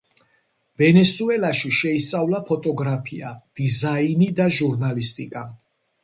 ვენესუელაში შეისწავლა ფოტოგრაფია, დიზაინი და ჟურნალისტიკა.